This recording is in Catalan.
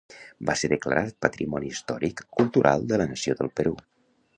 Va ser declarat Patrimoni Històric Cultural de la Nació del Perú.